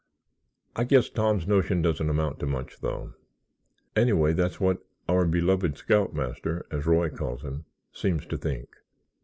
I guess Tom's notion doesn't amount to much, though. Anyway, that's what 'our beloved scoutmaster' as Roy calls him, seems to think."